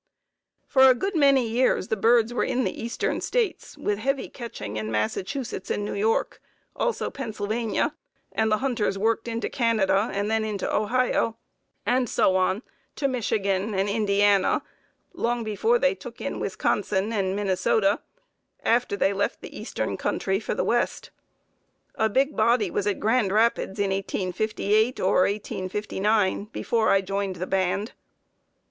For a good many years the birds were in the eastern States, with heavy catching in Massachusetts and New York, also Pennsylvania, and the hunters worked into Canada, then into Ohio, and so on to Michigan and Indiana, long before they took in Wisconsin and Minnesota, after they left the eastern country for the west. A big body was at Grand Rapids in 1858 or 1859, before I joined the band.